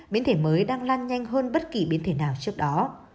biến thể mới đang lan nhanh hơn bất kỳ biến thể nào trước đó